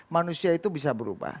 manusia itu bisa berubah